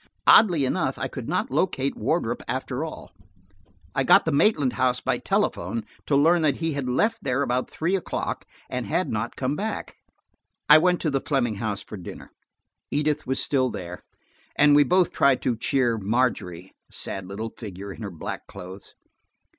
Oddly enough, I could not locate Wardrop after all. I got the Maitland house by telephone, to learn that he had left there about three o'clock, and had not come back. I went to the Fleming house for dinner. Edith was still there, and we both tried to cheer Margery, a sad little figure in her black clothes.